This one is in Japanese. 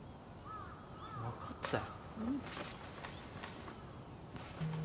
分かったよ